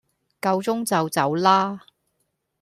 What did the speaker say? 夠鐘就走啦!